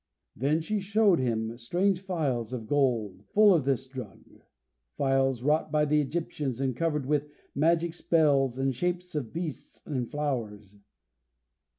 Then she showed him strange phials of gold, full of this drug: phials wrought by the Egyptians, and covered with magic spells and shapes of beasts and flowers.